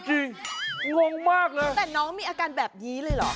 กูงงงมากเลย